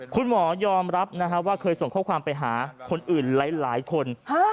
คุณหมอยอมรับว่าเคยส่งข้อความไปหาคนอื่นหลายคน